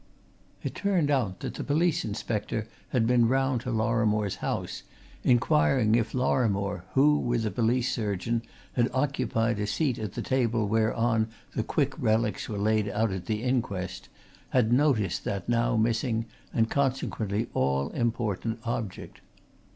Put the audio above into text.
It turned out that the police inspector had been round to Lorrimore's house, inquiring if Lorrimore, who, with the police surgeon, had occupied a seat at the table whereon the Quick relics were laid out at the inquest, had noticed that now missing and consequently all important object.